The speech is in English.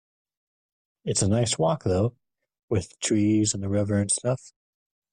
It's a nice walk though, with trees and a river and stuff.